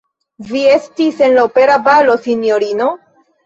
Vi estis en la opera balo, sinjorino?